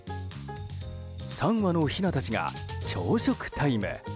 ３羽のヒナたちが朝食タイム。